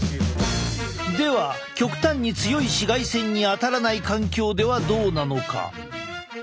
では極端に強い紫外線に当たらない環境ではどうなのか？